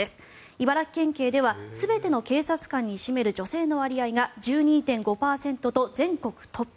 茨城県警では全ての警察官に占める女性の割合が１２．５％と全国トップ。